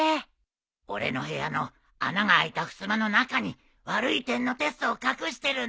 俺の部屋の穴が開いたふすまの中に悪い点のテストを隠してるんだ。